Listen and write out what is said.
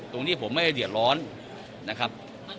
ตรงนี้ผมไม่ได้เดือดร้อนนะครับ